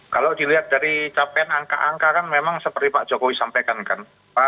kalau dilihat dari capaian angka angka kan memang seperti pak jokowi sampaikan kan